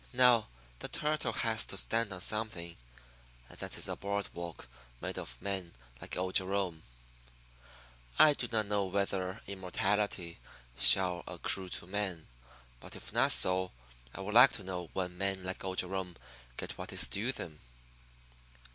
Now, the turtle has to stand on something; and that is a board walk made of men like old Jerome. I do not know whether immortality shall accrue to man; but if not so, I would like to know when men like old Jerome get what is due them?